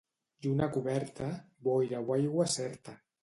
Lluna coberta, boira o aigua certa.